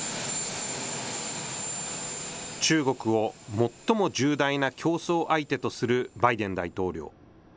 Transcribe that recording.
中国を最も重大な競争相手とするバイデン大統領。